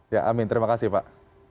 ya amin terima kasih pak